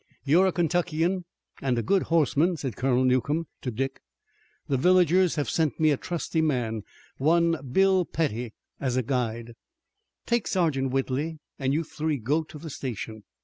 "You're a Kentuckian and a good horseman," said Colonel Newcomb to Dick. "The villagers have sent me a trusty man, one Bill Petty, as a guide. Take Sergeant Whitley and you three go to the station.